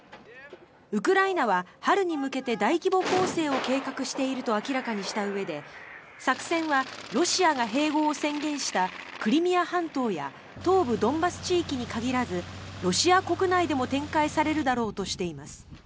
ウクライナは春に向けて大規模攻勢を計画していると明らかにしたうえで作戦はロシアが併合を宣言したクリミア半島や東部ドンバス地域に限らずロシア国内でも展開されるだろうとしています。